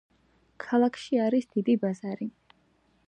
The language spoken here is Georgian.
ქალაქში არის დიდი ბაზარი.